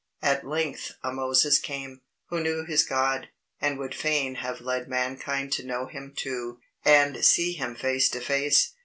At length a Moses came, who knew his God, and would fain have led mankind to know Him too, and see Him face to face.